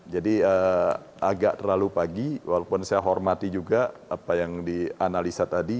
jadi agak terlalu pagi walaupun saya hormati juga apa yang dianalisa tadi